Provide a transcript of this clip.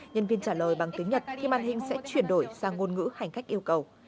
nhân viên trả lời bằng tiếng nhật khi màn hình sẽ chuyển đổi sang ngôn ngữ hành cách yêu cầu